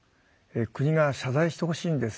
国が謝罪してほしいんです。